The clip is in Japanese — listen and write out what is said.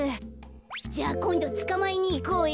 じゃあこんどつかまえにいこうよ。